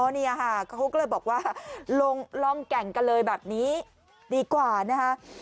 นี่ค่ะเขาก็เลยบอกว่าลองแก่งกันเลยแบบนี้ดีกว่านะคะ